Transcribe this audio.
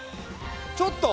ちょっと！